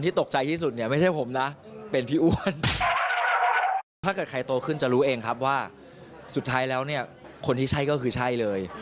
ถ้าเกิดใครโตขึ้นจะรู้เองครับว่าสุดท้ายแล้วคนที่ใช่ก็คือใช่เลย